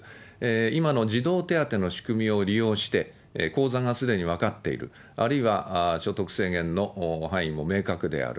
今の児童手当の仕組みを利用して、口座がすでに分かっている、あるいは所得制限の範囲も明確である。